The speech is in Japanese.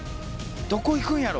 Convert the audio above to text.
ドコ行くんやろ？